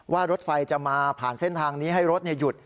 ว่ารถไฟจะมาผ่านเส้นทางนี้ให้รถหยุด